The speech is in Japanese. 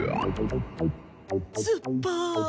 すっぱい。